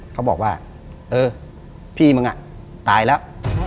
เขาบอกว่าเออพี่มึงตายแล้ว